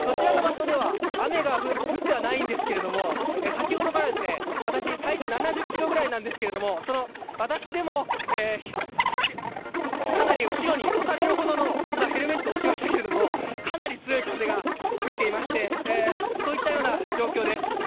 雨が降ってはないんですけれども、先ほどから、私、体重７０キロぐらいなんですけれども、その私でもかなり後ろに押されるほどの、今、ヘルメット落ちましたけれども、かなり強い風が吹いていまして、そういったような状況です。